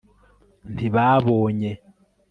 ntibabonye